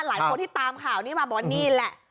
หลายคนที่ตามข่าวนี้มาบอกว่านี่แหละ